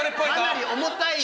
かなり重たいので。